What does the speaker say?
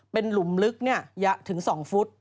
เป็นหลุมลึกถึง๒ฟุต